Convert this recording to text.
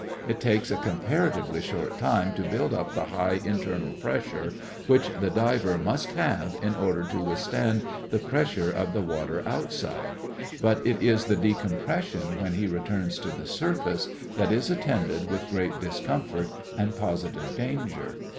It takes a comparatively short time to build up the high internal pressure, which the diver must have in order to withstand the pressure of the water outside, but it is the decompression when he returns to the surface that is attended with great discomfort and positive danger.